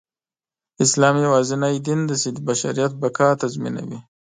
اسلام يواځينى دين دى، چې د بشریت بقاﺀ تضمينوي.